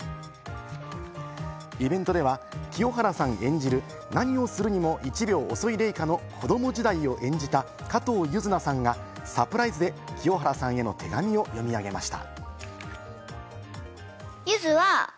イベントでは、清原さん演じる、何をするにも１秒遅いレイカの子ども時代を演じた加藤柚凪さんがサプライズで清原さんへの手紙を読み上げました。